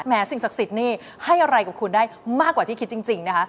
สิ่งศักดิ์สิทธิ์นี่ให้อะไรกับคุณได้มากกว่าที่คิดจริงนะคะ